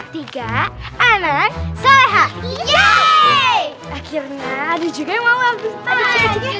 tiga anak sehat akhirnya ada juga mau